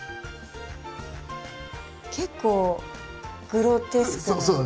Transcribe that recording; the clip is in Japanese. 結構グロテスクな。